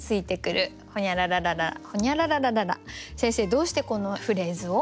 先生どうしてこのフレーズを？